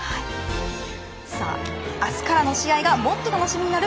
さあ、あすからの試合がもっと楽しみになる